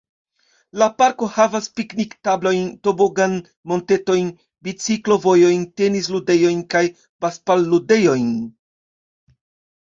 La parko havas piknik-tablojn, tobogan-montetojn, biciklo-vojojn, tenis-ludejojn, kaj basbal-ludejojn.